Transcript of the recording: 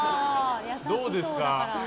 どうですか？